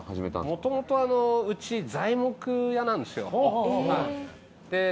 もともとあのうち材木屋なんですよ。